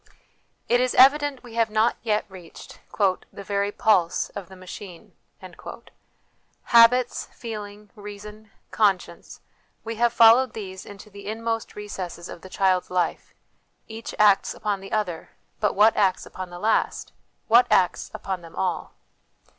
It is evident we have not yet reached " The very pulse of the machine." Habits, feeling, reason, conscience we have followed these into the inmost recesses of the child's life; each acts upon the other, but what acts upon the last: what acts upon them all